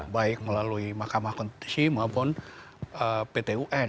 baik melalui mahkamah konstitusi maupun pt un